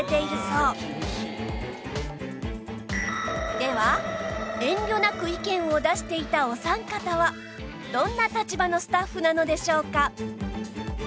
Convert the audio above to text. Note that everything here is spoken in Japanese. では遠慮なく意見を出していたお三方はどんな立場のスタッフなのでしょうか？